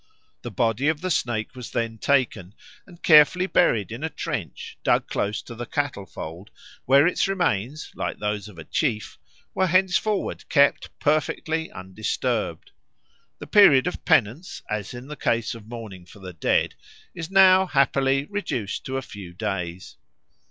The body of the snake was then taken and carefully buried in a trench, dug close to the cattle fold, where its remains, like those of a chief, were henceforward kept perfectly undisturbed. The period of penance, as in the case of mourning for the dead, is now happily reduced to a few days."